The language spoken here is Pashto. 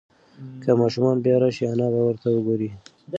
که ماشوم بیا راشي انا به ورته وگوري.